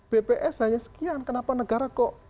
bps hanya sekian kenapa negara kok